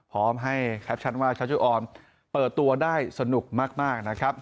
พร้อมให้แคปชันว่าชาชุออนเปิดตัวได้สนุกมาก